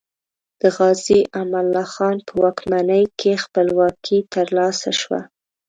د غازي امان الله خان په واکمنۍ کې خپلواکي تر لاسه شوه.